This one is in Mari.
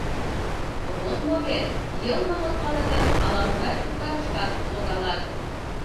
Вот мо вет — йылмым от пале гын, ала-могай туткарышкат логалат.